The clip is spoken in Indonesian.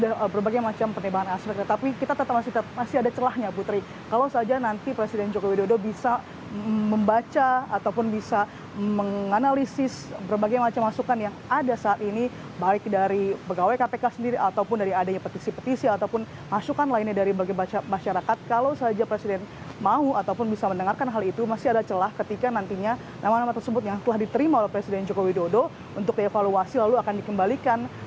itu menurut saya perbedaan dari ya sudah berbagai macam penerbangan aspek tetapi kita tetap masih tetap masih ada celahnya putri kalau saja nanti presiden jokowi dodo bisa membaca ataupun bisa menganalisis berbagai macam asukan yang ada saat ini balik dari pegawai kpk sendiri ataupun dari adanya petisi petisi ataupun asukan lainnya dari bagian masyarakat kalau saja presiden mau ataupun bisa mendengarkan hal itu masih ada celah ketika nantinya nama nama tersebut yang telah diterima oleh presiden jokowi dodo untuk dievaluasi lalu akan dikembalikan ke presiden jokowi dodo